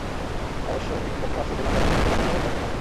অবশ্য একটি পক্ষের ভাষ্য, জেল হত্যাকাণ্ডের ঘটনা মোশাররফ তখনো জানতেন না।